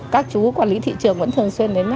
các chú quản lý thị trường vẫn thường xuyên đến